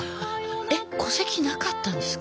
えっ戸籍なかったんですか？